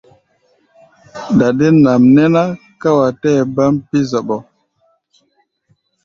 Dadên nʼam nɛ́ ná ká wa tɛɛ́ baʼm pí̧ zɔɓɔ.